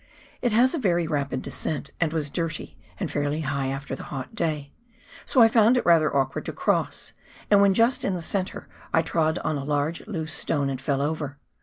It has a very rapid descent, and was dirty and fairly high after the hot day, so I found it rather awkward to cross, and when just in the centre I trod on a large loose stone and fell over.